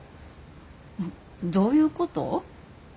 どういうこと？